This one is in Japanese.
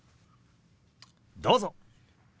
どうぞ。